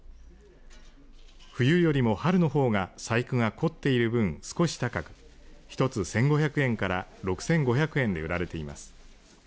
冬よりも春の方が細工が凝っている分、少し高く一つ１５００円から６５００円で売られています。